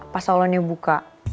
pas salonnya buka